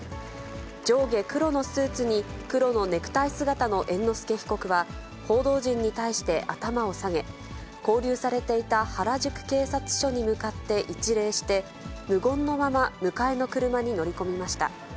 上下黒のスーツに黒のネクタイ姿の猿之助被告は、報道陣に対して頭を下げ、勾留されていた原宿警察署に向かって一礼して、無言のまま迎えの車に乗り込みました。